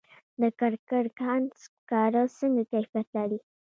د کرکر کان سکاره څنګه کیفیت لري؟